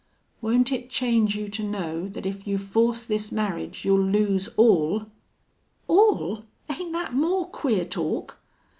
"Won't it change you to know that if you force this marriage you'll lose all?" "All! Ain't that more queer talk?"